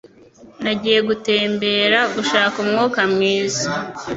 Nagiye gutembera gushaka umwuka mwiza.